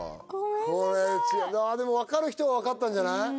これああでも分かる人は分かったんじゃない？